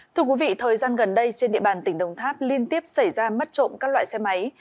thưa quý vị thời gian gần đây trên địa bàn tỉnh đồng tháp liên tiếp xảy ra mất trộm các loại xe máy